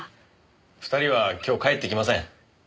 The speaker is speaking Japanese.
２人は今日帰ってきません。